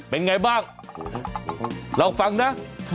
เป็นไงบ้างลองฟังนะ